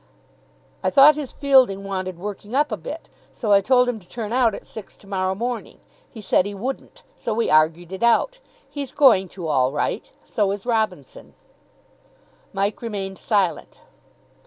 "I thought his fielding wanted working up a bit, so I told him to turn out at six to morrow morning. He said he wouldn't, so we argued it out. He's going to all right. So is Robinson." Mike remained silent.